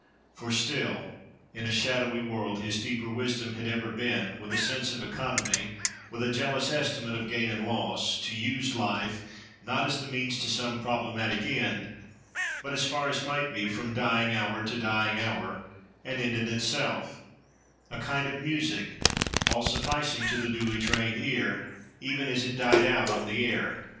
For still, in a shadowy world, his deeper wisdom had ever been, with a sense of economy, with a jealous estimate of gain and loss, to use life, not as the means to some problematic end, but, as far as might be, from dying hour to dying hour, an end in itself—a kind of music, all sufficing to the duly trained ear, even as it died out on the air.